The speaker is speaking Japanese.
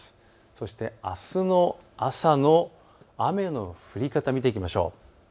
そしてあすの朝の雨の降り方を見ていきましょう。